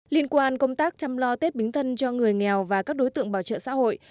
liên quan công tác chăm lo tết bính thân cho người nghèo và các đối tượng bảo trợ xã hội